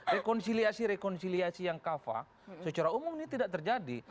rekonsiliasi rekonsiliasi yang kafa secara umum ini tidak terjadi